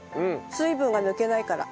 水分が抜けないから。